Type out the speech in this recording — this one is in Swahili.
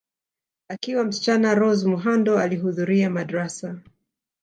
Akiwa msichana Rose Muhando alihudhuria madrasa